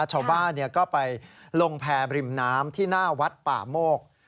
ชาวบ้านก็ไปลงแพรบริมน้ำที่หน้าวัดป่าโมก